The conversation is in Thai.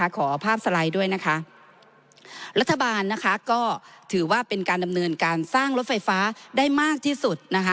ขอภาพสไลด์ด้วยนะคะรัฐบาลนะคะก็ถือว่าเป็นการดำเนินการสร้างรถไฟฟ้าได้มากที่สุดนะคะ